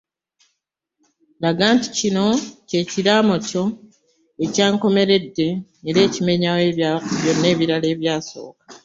Laga nti kino ky’ekiraamo kyo eky’enkomeredde era ekimenyawo byonna ebirala ebyasooka.